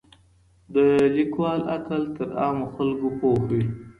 د ليکوال عقل تر عامو خلګو پوخ وي.